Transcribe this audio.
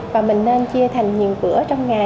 và mình nên chia thành nhiều bữa